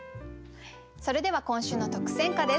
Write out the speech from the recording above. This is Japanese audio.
それでは今週の特選歌です。